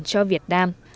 cho việt nam